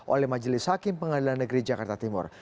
oleh majelis hakim pengadilan negeri jakarta timur